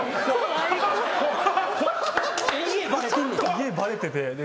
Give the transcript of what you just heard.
家バレてんねや？